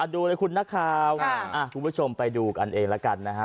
ดูเลยคุณนักข่าวคุณผู้ชมไปดูกันเองแล้วกันนะฮะ